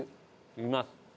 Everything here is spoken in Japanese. います。